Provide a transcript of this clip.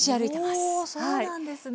そうなんですね。